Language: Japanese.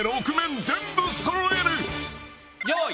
よい。